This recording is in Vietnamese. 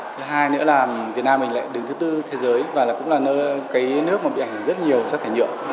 thứ hai nữa là việt nam mình lại đứng thứ tư thế giới và cũng là nơi nước mà bị ảnh rất nhiều giác thải nhựa